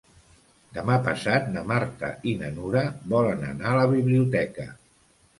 Demà passat na Marta i na Nura volen anar a la biblioteca.